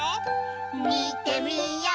みてみよう！